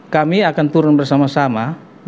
kami akan turun bersama sama